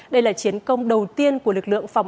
đây là chiến công đầu tiên của lực lượng phòng